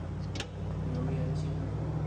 旅游业兴盛。